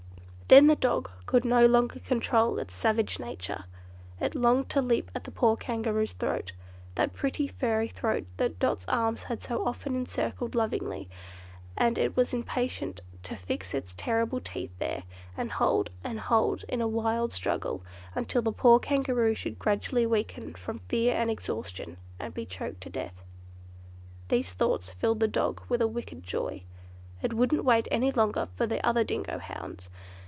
Then the dog could no longer control its savage nature. It longed to leap at the poor Kangaroo's throat—that pretty furry throat that Dot's arms had so often encircled lovingly, and it was impatient to fix its terrible teeth there, and hold, and hold, in a wild struggle, until the poor Kangaroo should gradually weaken from fear and exhaustion, and be choked to death. These thoughts filled the dog with a wicked joy. It wouldn't wait any longer for the other dingo hounds.